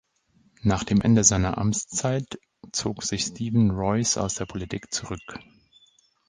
Nach dem Ende seiner Amtszeit zog sich Stephen Royce aus der Politik zurück.